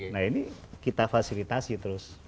nah ini kita fasilitasi terus